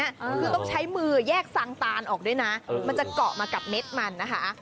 คือต้องใช้มือแยกซังตานออกด้วยนะมันจะเกาะมากับเม็ดมันนะคะ